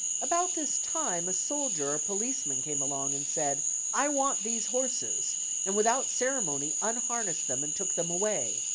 About this time a soldier or policeman came along and said, "I want these horses," and without ceremony unharnessed them, and took them away.